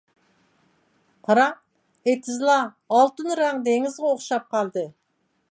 قاراڭ، ئېتىزلار ئالتۇن رەڭ دېڭىزغا ئوخشاپ قالدى.